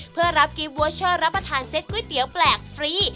เพื่อรับกิโบเชิลรับประทานเซ็ตก๋วยเตี๋ยวแปลกฟรี